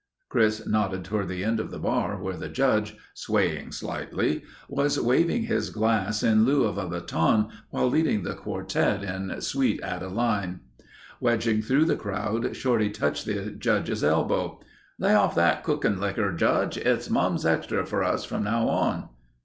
Chris nodded toward the end of the bar where the Judge, swaying slightly, was waving his glass in lieu of a baton while leading the quartet in "Sweet Adeline." Wedging through the crowd, Shorty touched the Judge's elbow: "Lay off that cooking likker, Judge. It's Mum's Extra for us from now on."